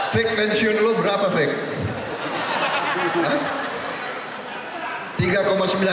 fake mention lu berapa fake